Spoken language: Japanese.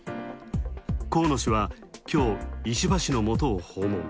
河野氏はきょう、石破氏のもとを訪問。